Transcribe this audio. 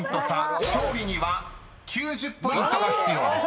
［勝利には９０ポイントが必要です］